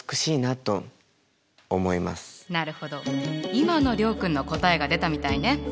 今の諒君の答えが出たみたいね。